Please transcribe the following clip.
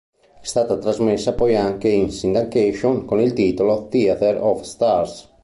È stata trasmessa poi anche in syndication con il titolo "Theater of Stars".